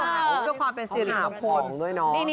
อ๋อเพื่อความเป็นศิลป์ของคน